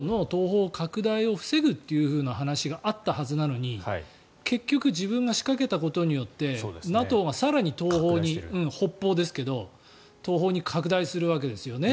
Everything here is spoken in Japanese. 例えば、安全保障上もウクライナへの侵攻というのがＮＡＴＯの東方拡大を防ぐという話があったはずなのに、結局自分が仕掛けたことによってＮＡＴＯが更に東方に北方ですけど東方に拡大するわけですよね。